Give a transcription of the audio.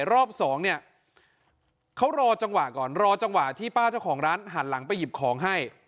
รอบสองเนี่ยเขารอจังหวะก่อนรอจังหวะที่ป้าเจ้าของร้านหันหลังไปหยิบของให้